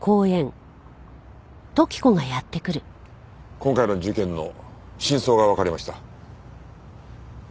今回の事件の真相がわかりました。